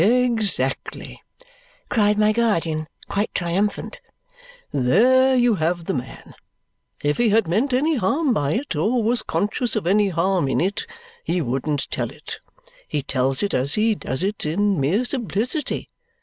"Exactly!" cried my guardian, quite triumphant. "There you have the man! If he had meant any harm by it or was conscious of any harm in it, he wouldn't tell it. He tells it as he does it in mere simplicity.